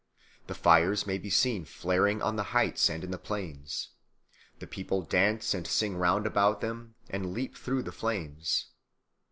The fires may be seen flaring on the heights and in the plains; the people dance and sing round about them and leap through the flames.